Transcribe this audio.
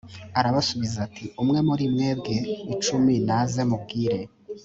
arabasubiza ati umwe muri mwebwe icumi naze mubwire